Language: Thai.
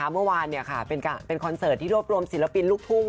เมื่อวานเนี่ยค่ะเป็นคอนเซอร์ทดูกลงศิลปินลุกธุ้ง